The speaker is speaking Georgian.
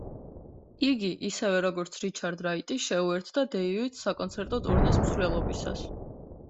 იგი, ისევე, როგორც რიჩარდ რაიტი, შეუერთდა დეივიდს საკონცერტო ტურნეს მსვლელობისას.